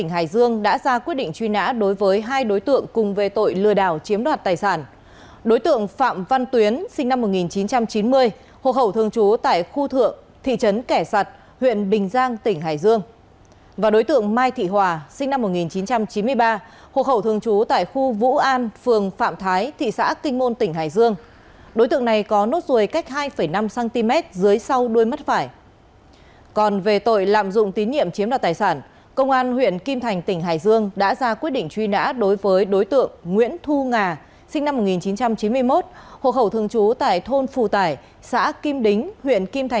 hãy đăng ký kênh để ủng hộ kênh của chúng mình nhé